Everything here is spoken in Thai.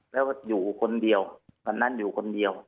แล้วอยู่คนเดียววันนั้นอยู่คนเดียว